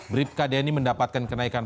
bribka deni mendapatkan kenaikan